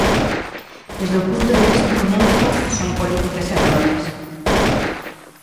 Desde o punto de vista económico son políticas erróneas.